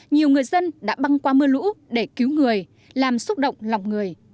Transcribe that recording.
nhiều người dân đã băng qua mưa lũ để cứu người làm xúc động lòng người